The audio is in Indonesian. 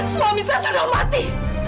suami saya sudah mati